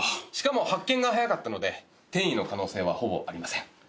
しかも発見が早かったので転移の可能性はほぼありません。